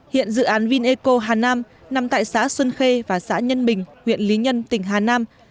hiện dự án vineco hà nam nằm tại xã xuân khê và xã nhân bình huyện lý nhân tỉnh hà nam